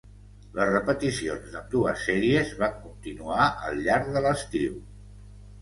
Les repeticions d'ambdues sèries van continuar al llarg de l'estiu.